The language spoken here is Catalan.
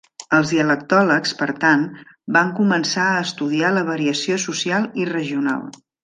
Els dialectòlegs, per tant, van començar a estudiar la variació social i regional.